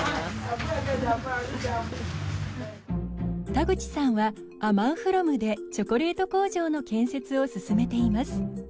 田口さんはアマンフロムでチョコレート工場の建設を進めています。